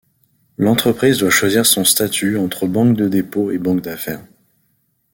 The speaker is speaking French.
L’entreprise doit choisir son statut entre banque de dépôt et banque d’affaires.